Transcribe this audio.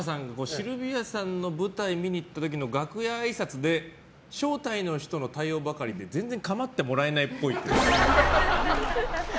シルビアさんの舞台を見に行った時の楽屋あいさつで招待の人の対応ばかりで全然かまってもらえないっぽい。